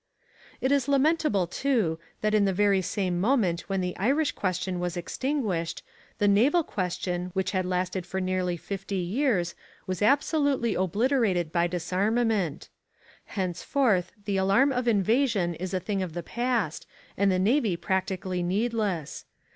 It is lamentable, too, that at the very same moment when the Irish question was extinguished, the Naval Question which had lasted for nearly fifty years was absolutely obliterated by disarmament. Henceforth the alarm of invasion is a thing of the past and the navy practically needless.